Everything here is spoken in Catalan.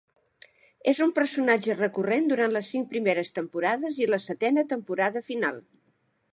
És un personatge recurrent durant les cinc primeres temporades i la setena temporada final.